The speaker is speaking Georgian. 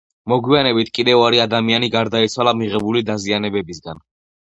მოგვიანებით, კიდევ ორი ადამიანი გარდაიცვალა მიღებული დაზიანებებისგან.